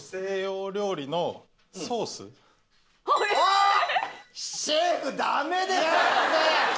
えっ⁉シェフダメですって！